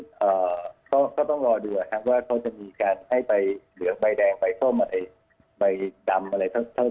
เพราะฉะนั้นก็ต้องรอดูว่าจะมีการให้ไปเหลืองใบแดงใบส้มใบดำเท่าไหร่